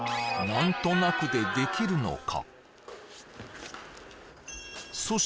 何となくでできるのか？